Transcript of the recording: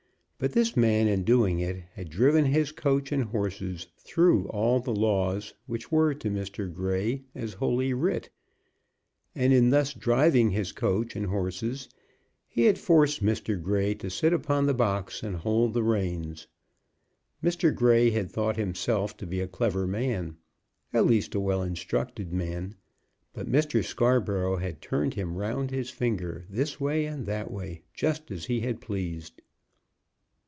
But this man in doing it had driven his coach and horses through all the laws, which were to Mr. Grey as Holy Writ; and, in thus driving his coach and horses, he had forced Mr. Grey to sit upon the box and hold the reins. Mr. Grey had thought himself to be a clever man, at least a well instructed man; but Mr. Scarborough had turned him round his finger, this way and that way, just as he had pleased.